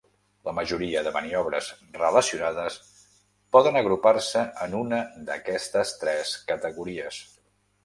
La majoria de maniobres relacionades poden agrupar-se en una d'aquestes tres categories.